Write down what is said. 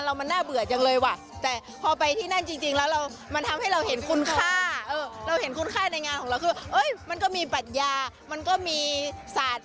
เราเห็นคุณค่าในงานของเราคือมันก็มีปัดยามันก็มีสัตว์